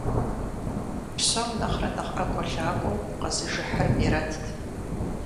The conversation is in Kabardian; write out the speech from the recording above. Псом нэхърэ нэхъ ӀэкӀуэлъакӀуэу къэзыжыхьыр Мерэтт.